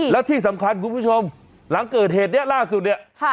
แล้วที่สำคัญคุณผู้ชมหลังเกิดเหตุนี้ล่าสุดเนี่ย